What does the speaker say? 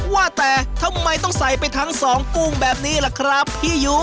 ว่าแต่ทำไมต้องใส่ไปทั้งสองกุ้งแบบนี้ล่ะครับพี่ยุ